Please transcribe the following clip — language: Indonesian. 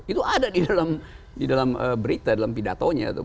itu ada di dalam berita dalam pidatonya